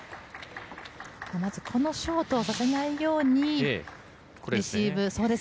このショートをさせないようにレシーブ。